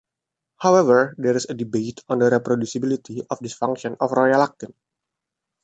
However, there is a debate on the reproducibility of this function of Royalactin.